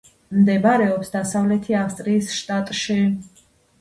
მდებარეობს დასავლეთი ავსტრალიის შტატში.